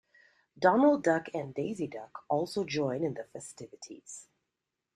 Donald Duck and Daisy Duck also join in the festivities.